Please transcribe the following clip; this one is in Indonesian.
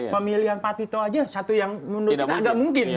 pemilihan pak tito aja satu yang menurut kita agak mungkin